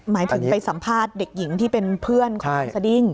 หมายถึงไปสัมภาษณ์เด็กหญิงที่เป็นเพื่อนของคุณสดิ้ง